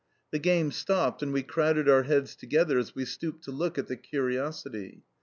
The game stopped, and we crowded our heads together as we stooped to look at the curiosity.